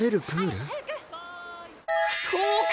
そうか！